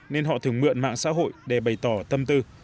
nên họ thường mượn mạng xã hội để bày tỏ tâm tư